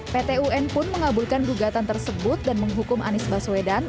pt un pun mengabulkan gugatan tersebut dan menghukum anies baswedan